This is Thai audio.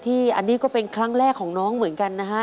อันนี้ก็เป็นครั้งแรกของน้องเหมือนกันนะฮะ